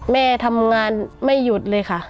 แม่ทำงานไม่หยุดเลยค่ะ